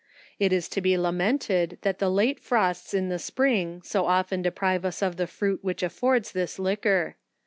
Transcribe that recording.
It is to be la mented, that the late frosts in the spring so often deprive ns of the fruit which affords this liquor.